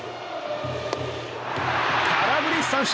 空振り三振！